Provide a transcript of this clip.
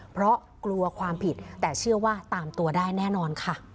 เพราะกลัวความผิดแต่เชื่อว่าตามตัวได้แน่นอนค่ะ